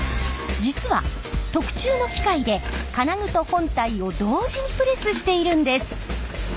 実は特注の機械で金具と本体を同時にプレスしているんです。